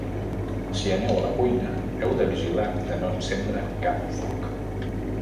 Si aneu a la cuina, heu de vigilar de no encendre cap foc.